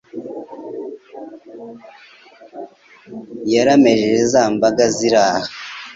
Yaramejeje za mbaga ziri aha,